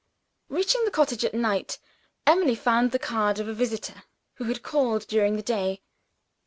Reaching the cottage at night, Emily found the card of a visitor who had called during the day.